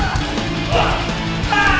gak ada masalah